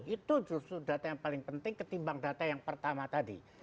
itu justru data yang paling penting ketimbang data yang pertama tadi